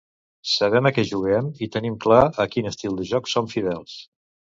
Sabem a què juguem i tenim clar a quin estil de joc som fidels.